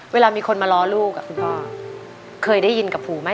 เวลามีคนมาล้อลูกคุณพ่อเคยได้ยินกับหูไหม